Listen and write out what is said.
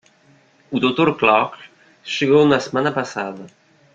O doutor Clark chegou na semana passada.